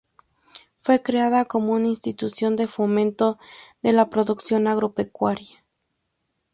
Fue creada como una institución de fomento de la producción agropecuaria.